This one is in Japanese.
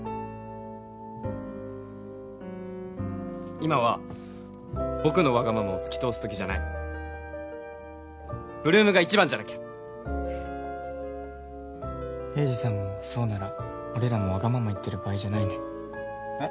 今は僕のわがままを突きとおす時じゃない８ＬＯＯＭが一番じゃなきゃ栄治さんもそうなら俺らもわがまま言ってる場合じゃないねえっ？